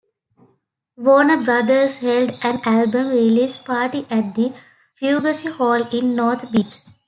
Warner Brothers held an album release party at the Fugazi Hall in North Beach.